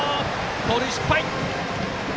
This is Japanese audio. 盗塁失敗。